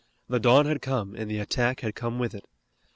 The dawn had come and the attack had come with it.